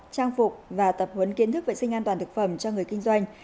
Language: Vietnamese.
trang phục và tập huấn kiến thức vệ sinh an toàn thực phẩm cho người kinh doanh